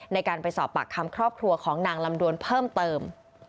ในการไปสอบปากคำครอบครัวของนางลำดวนเพิ่มเติม